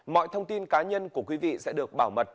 mọi thông tin cá nhân của quý vị sẽ được bảo mật